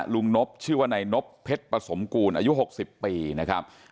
นบชื่อว่านายนบเพชรประสมกูลอายุ๖๐ปีนะครับ